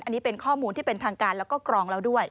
อันนี้เป็นข้อมูลที่เป็นทางการแล้วก็กรองแล้วด้วย